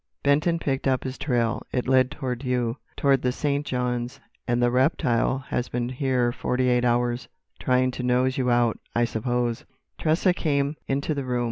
Benton picked up his trail. It led toward you—toward the St. Johns. And the reptile has been here forty eight hours, trying to nose you out, I suppose——" Tressa came into the room.